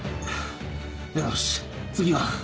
よし次は？